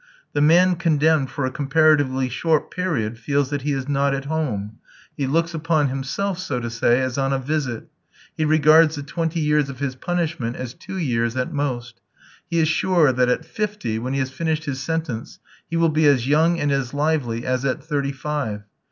The man condemned for a comparatively short period feels that he is not at home; he looks upon himself, so to say, as on a visit; he regards the twenty years of his punishment as two years at most; he is sure that at fifty, when he has finished his sentence, he will be as young and as lively as at thirty five.